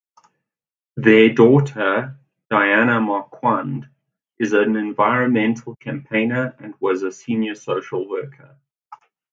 Their daughter Diana Marquand is an environmental campaigner and was a senior social worker.